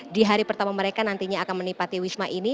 di hari pertama mereka nantinya akan menipati wisma ini